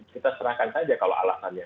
kita serahkan saja kalau alasannya